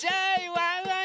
ワンワン